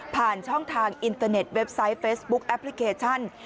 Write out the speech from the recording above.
ผ่านช่องทางอินเตอร์เน็ตเว็บไซต์เฟซบุ๊คแอปพลิเคชัน